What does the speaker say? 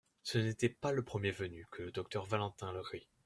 Ce n'était pas le premier venu, que le docteur Valentin Legris.